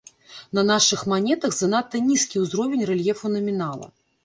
На нашых манетах занадта нізкі ўзровень рэльефу намінала.